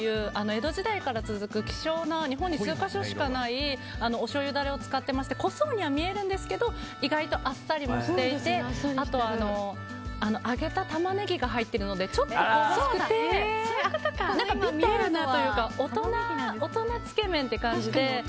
江戸時代から続く希少な日本に数か所しかないおしょうゆダレを使ってまして濃そうには見えるんですけど意外とあっさりもしていてあと揚げたタマネギが入ってるのでちょっと香ばしくてビターなというか大人つけ麺って感じで。